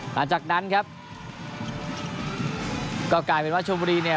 หลังจากนั้นครับก็กลายเป็นว่าชมบุรีเนี่ย